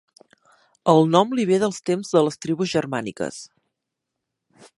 El nom li ve dels temps de les tribus germàniques.